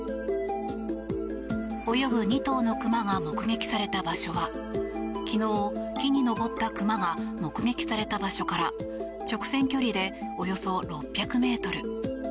泳ぐ２頭のクマが目撃された場所は昨日、木に登ったクマが目撃された場所から直線距離で、およそ６００ｍ。